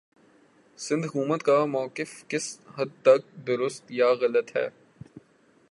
سندھ حکومت کا موقفکس حد تک درست یا غلط ہے